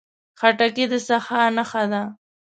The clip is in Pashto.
خټکی د سخا نښه ده.